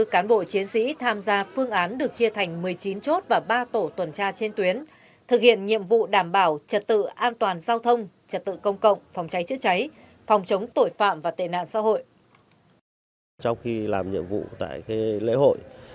ba mươi cán bộ chiến sĩ tham gia phương án được chia thành một mươi chín chốt và ba tổ tuần tra trên tuyến thực hiện nhiệm vụ đảm bảo trật tự an toàn giao thông trật tự công cộng phòng cháy chữa cháy phòng chống tội phạm và tệ nạn xã hội